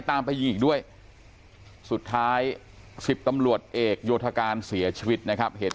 ตามไปยิงอีกด้วยสุดท้าย๑๐ตำรวจเอกโยธการเสียชีวิตนะครับเหตุ